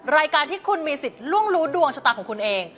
รายการที่คุณมีสิทธิ์ล่วงรู้ดวงชะตาของคุณเอง